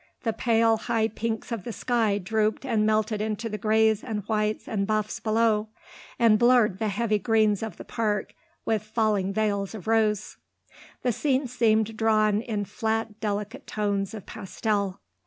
The pale, high pinks of the sky drooped and melted into the greys and whites and buffs below, and blurred the heavy greens of the park with falling veils of rose. The scene seemed drawn in flat delicate tones of pastel.